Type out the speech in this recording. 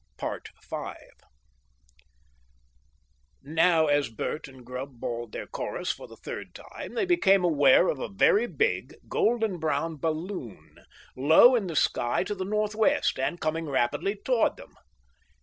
5 Now as Bert and Grubb bawled their chorus for the third time, they became aware of a very big, golden brown balloon low in the sky to the north west, and coming rapidly towards them.